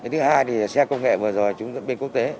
thứ hai thì xe công nghệ vừa rồi chúng bên quốc tế